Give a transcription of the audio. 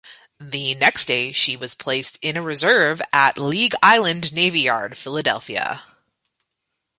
The next day, she was placed in reserve at League Island Navy Yard, Philadelphia.